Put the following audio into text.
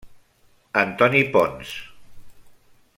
Antoni Pons.